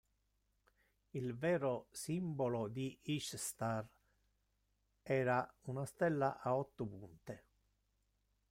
Il vero simbolo di Ishtar era una stella a otto punte.